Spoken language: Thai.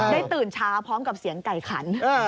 ตื่นเช้าพร้อมกับเสียงไก่ขัน